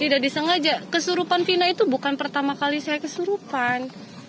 tidak disengaja kesurupan fina itu bukan pertama kali saya kesurupan